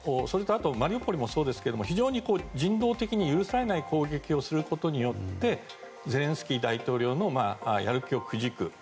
それと、マリウポリもそうですけど非常に人道的に許されない攻撃をすることによってゼレンスキー大統領のやる気をくじく。